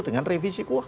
dengan revisi kuah